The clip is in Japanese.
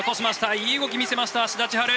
いい動きを見せました志田千陽。